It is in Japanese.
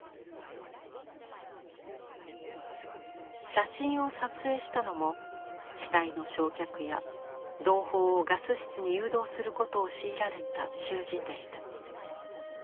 写真を撮影したのも死体の焼却や同胞をガス室に誘導することを強いられた囚人でした。